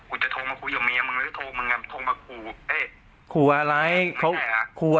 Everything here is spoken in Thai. ขอบคุณมิ้นฟังกับตัวเนี่ยคุณสู้อะไร